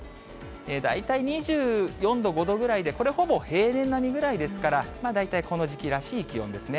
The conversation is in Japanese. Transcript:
大体２４度、５度ぐらいで、これ、ほぼ平年並みぐらいですから、大体この時期らしい気温ですね。